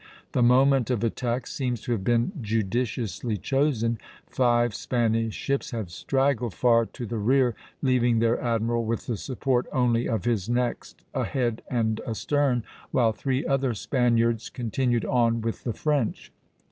The moment of attack seems to have been judiciously chosen; five Spanish ships had straggled far to the rear, leaving their admiral with the support only of his next ahead and astern, while three other Spaniards continued on with the French.